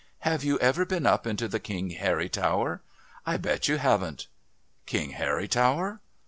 "Have you ever been up into the King Harry Tower? I bet you haven't." "King Harry Tower?..."